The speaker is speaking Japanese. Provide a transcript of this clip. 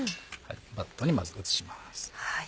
バットにまず移します。